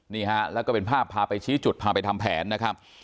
นี่ฮะแล้วก็เป็นภาพพาไปชี้จุดพาไปทำแผนนะครับ